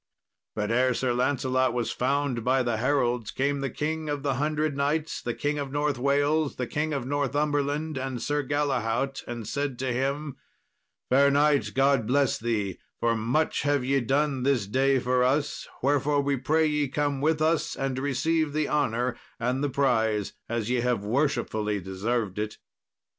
But ere Sir Lancelot was found by the heralds, came the King of the Hundred Knights, the King of North Wales, the King of Northumberland, and Sir Galahaut, and said to him, "Fair knight, God bless thee, for much have ye done this day for us; wherefore we pray ye come with us and receive the honour and the prize as ye have worshipfully deserved it."